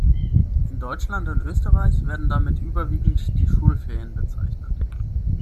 In Deutschland und Österreich werden damit überwiegend die Schulferien bezeichnet.